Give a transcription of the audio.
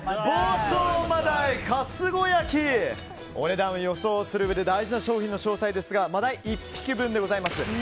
房総真鯛春子焼！お値段を予想するうえで大事な商品の詳細ですが真鯛１匹分でございます。